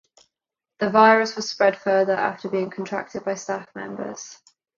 The virus was spread further after being contracted by staff members.